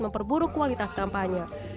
memperburuk kualitas kampanye